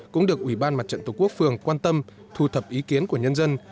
cũng được ủy ban mặt trận tổ quốc phường quan tâm thu thập ý kiến của nhân dân